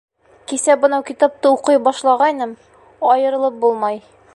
Кисә бынау китапты уҡый башлағайным, айырылып булмай.